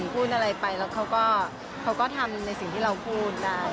พูดอะไรไปแล้วเขาก็ทำในสิ่งที่เราพูดได้